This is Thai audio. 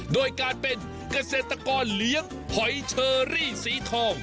โดยการเป็นเกษตรกรเลี้ยงหอยเชอรี่สีทอง